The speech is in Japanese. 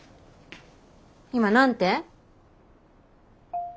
今何て？